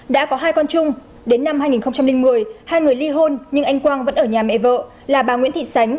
đã có hai con chung đến năm hai nghìn một mươi hai người ly hôn nhưng anh quang vẫn ở nhà mẹ vợ là bà nguyễn thị sánh